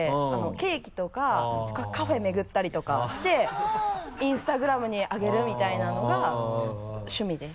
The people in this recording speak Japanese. ケーキとかカフェ巡ったりとかしてＩｎｓｔａｇｒａｍにあげるみたいなのが趣味です。